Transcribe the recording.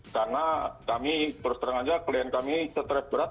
karena kami terus terang saja klien kami setres berat